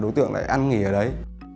đối tượng lại ăn nghỉ ở đấy